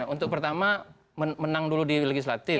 untuk pertama menang dulu di legislatif